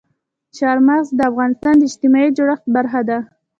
چار مغز د افغانستان د اجتماعي جوړښت برخه ده.